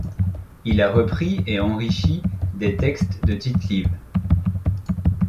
Il a repris et enrichi des textes de Tite-Live.